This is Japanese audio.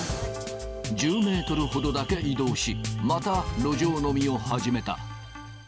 １０メートルほどだけ移動し、また路上飲みを始めた。